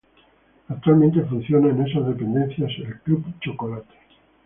Actualmente funciona en esas dependencias el Club Chocolate.